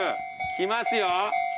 来ますよ！